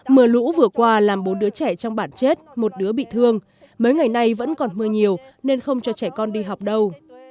mưa lũ vừa qua làm bốn đứa trẻ trong bản chết một đứa bị thương mấy ngày nay vẫn còn mưa nhiều nên không cho trẻ con đi học đâu